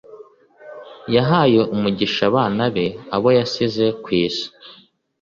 yahaye umugisha abana be, abo yasize ku isi